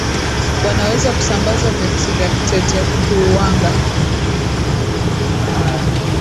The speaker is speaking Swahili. wanaweza kusambaza virusi vya tetekuwanga